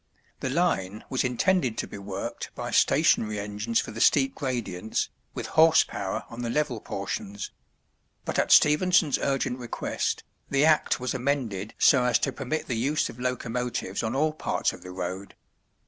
The line was intended to be worked by stationary engines for the steep gradients, with horse power on the level portions; but at Stephenson's urgent request, the act was amended so as to permit the use of locomotives on all parts of the road.